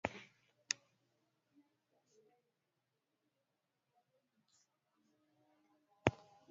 Yesu bali kimbiliaka naye mu egypte